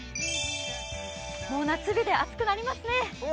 夏日で暑くなりますね。